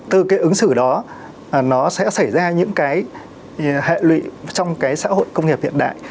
từ cái ứng xử đó nó sẽ xảy ra những cái hệ lụy trong cái xã hội công nghiệp hiện đại